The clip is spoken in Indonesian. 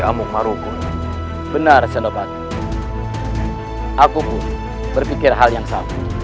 aku pun berpikir hal yang sama